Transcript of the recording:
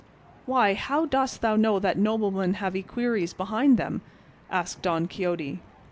"Why, how dost thou know that noblemen have equerries behind them?" asked Don Quixote.